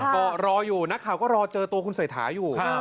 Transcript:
ก็รออยู่นักข่าวก็รอเจอตัวคุณเศรษฐาอยู่